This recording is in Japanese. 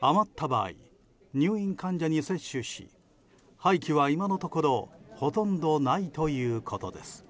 余った場合、入院患者に接種し廃棄は今のところほとんどないということです。